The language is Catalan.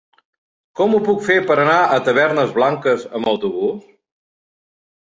Com ho puc fer per anar a Tavernes Blanques amb autobús?